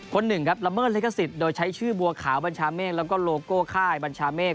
คนหนึ่งครับละเมิดลิขสิทธิ์โดยใช้ชื่อบัวขาวบัญชาเมฆแล้วก็โลโก้ค่ายบัญชาเมฆ